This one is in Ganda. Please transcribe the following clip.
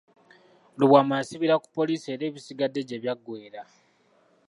Lubwama yasibira ku poliisi era ebisigadde gye byagweera.